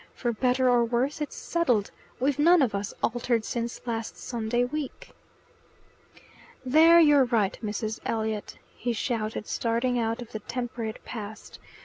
"For better or worse, it's settled. We've none of us altered since last Sunday week." "There you're right, Mrs. Elliot!" he shouted, starting out of the temperate past.